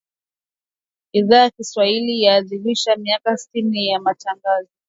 Idhaa ya Kiswahili yaadhimisha miaka sitini ya Matangazo